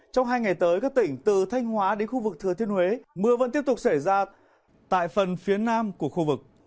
trong hai ngày tới các tỉnh từ thanh hóa đến khu vực thừa thiên huế mưa vẫn tiếp tục xảy ra tại phần phía nam của khu vực